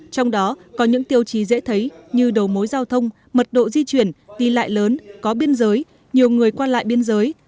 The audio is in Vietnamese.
trong đó có những tiêu chí dễ thấy như đầu mối giao thông mật độ di chuyển đi lại lớn có biên giới nhiều người qua lại biên giới